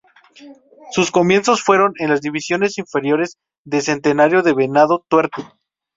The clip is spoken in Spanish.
Sus comienzos fueron en las divisiones inferiores de Centenario de Venado Tuerto.